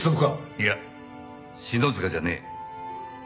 いや篠塚じゃねえ。